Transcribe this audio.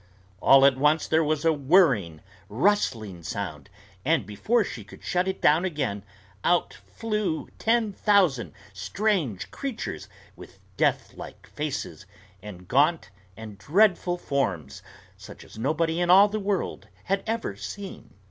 All at once there was a whirring, rustling sound, and before she could shut it down again, out flew ten thousand strange creatures with death like faces and gaunt and dreadful forms, such as nobody in all the world had ever seen.